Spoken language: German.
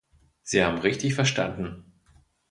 Sie haben richtig verstanden.